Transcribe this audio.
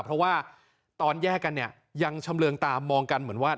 เพราะว่าตอนแยกกันเนี่ยยังชำเรืองตามองกันเหมือนว่า